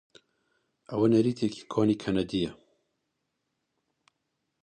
ئەوە نەریتێکی کۆنی کەنەدییە.